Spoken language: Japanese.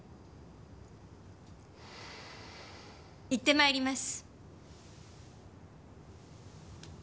いってまいります。